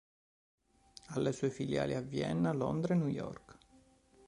Ha le sue filiali a Vienna, Londra e New York.